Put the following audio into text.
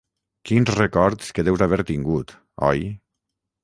Quins records que deus haver tingut, oi?